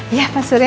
iya pak surya